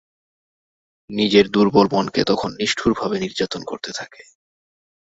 নিজের দুর্বল মনকে তখন নিষ্ঠুরভাবে নির্যাতন করতে থাকে।